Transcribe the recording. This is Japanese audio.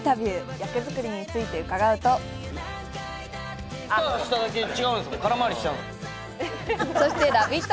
役作りについて伺うとそして「ラヴィット！」